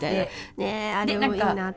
ねあれもいいなって思う。